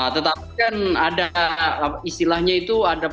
tetapi kan ada istilahnya itu ada pola keadaban